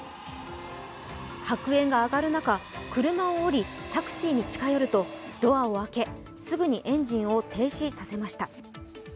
白煙が上がる中、車を降りタクシーに近寄るとドアを開け、すぐにエンジンを停止させました。